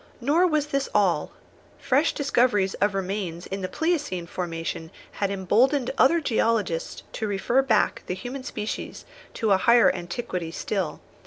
Nor was this all. Fresh discoveries of remains in the pleiocene formation had emboldened other geologists to refer back the human species to a higher antiquity still.